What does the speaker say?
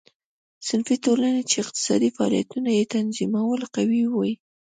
صنفي ټولنې چې اقتصادي فعالیتونه یې تنظیمول قوي وې.